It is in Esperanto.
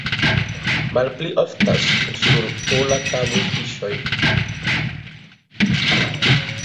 Malpli oftas sur pola tablo fiŝoj.